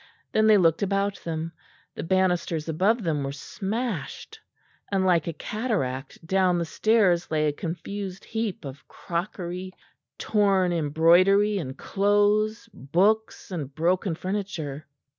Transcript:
Then they looked about them. The banisters above them were smashed, and like a cataract, down the stairs lay a confused heap of crockery, torn embroidery and clothes, books, and broken furniture.